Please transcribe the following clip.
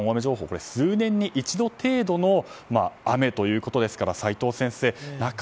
これは数年に一度程度の雨ということですから、齋藤先生